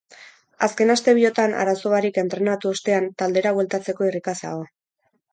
Azken aste biotan arazo barik entrenatu ostean taldera bueltatzeko irrikaz dago.